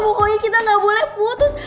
pokoknya kita gak boleh putus